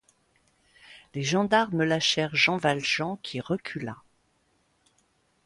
Les gendarmes lâchèrent Jean Valjean qui recula.